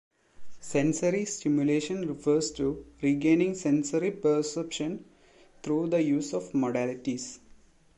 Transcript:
Sensory stimulation refers to regaining sensory perception through the use of modalities.